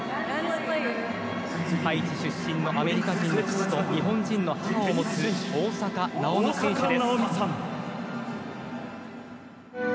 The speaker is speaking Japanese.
ハイチ出身のアメリカ人の父と日本人の母を持つ大坂なおみ選手です。